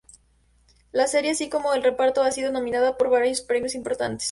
La serie, así como el reparto, ha sido nominada para varios premios importantes.